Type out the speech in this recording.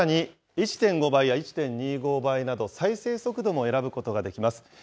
さらに、１．５倍や１．２５倍など、再生速度も選ぶことができます。